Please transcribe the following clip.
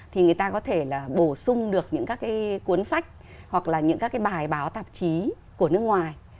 thì người ta có thể là bổ sung được những các cái cuốn sách hoặc là những các cái bài báo tạp chí của nước ngoài